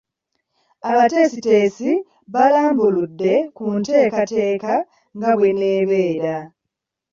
Abateesiteesi balambuludde ku nteekateeka nga bw’enaabeera.